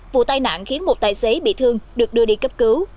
vụ tai nạn khiến một tài xế bị thương được đưa đi cấp cứu